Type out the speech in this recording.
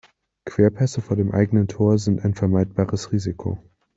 Querpässe vor dem eigenen Tor sind ein vermeidbares Risiko.